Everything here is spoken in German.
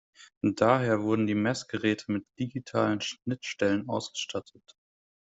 Daher wurden die Messgeräte mit digitalen Schnittstellen ausgestattet.